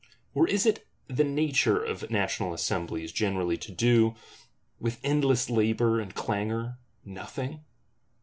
Or is it the nature of National Assemblies generally to do, with endless labour and clangour, Nothing?